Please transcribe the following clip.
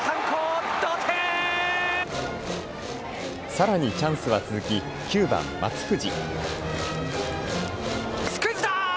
さらにチャンスは続き９番松藤。